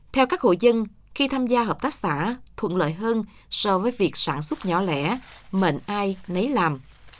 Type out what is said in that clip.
theo các hộ dân khi tham gia hợp tác xã thuận lợi hơn so với việc sản xuất nhỏ lẻ mệt ai nấy làm